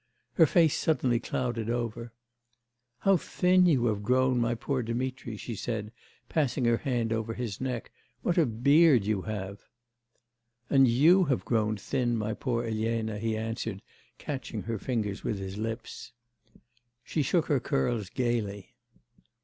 Her face suddenly clouded over. 'How thin you have grown, my poor Dmitri,' she said, passing her hand over his neck; 'what a beard you have.' 'And you have grown thin, my poor Elena,' he answered, catching her fingers with his lips. She shook her curls gaily.